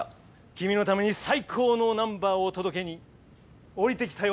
君のために最高のナンバーを届けに降りてきたよ